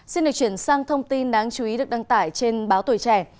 xin được chuyển sang thông tin đáng chú ý được đăng tải trên báo tuổi trẻ